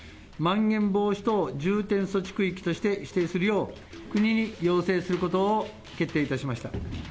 まん延防止等重点措置区域として指定するよう、国に要請することを決定いたしました。